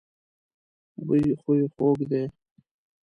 بوی خو يې خوږ دی.